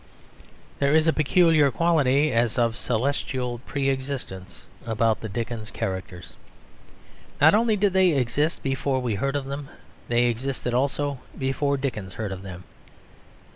There is a peculiar quality as of celestial pre existence about the Dickens characters. Not only did they exist before we heard of them, they existed also before Dickens heard of them.